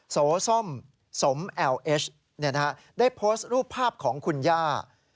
โสส้มสมแอลเอชได้โพสต์รูปภาพของคุณย่า